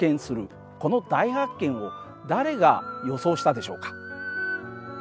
この大発見を誰が予想したでしょうか。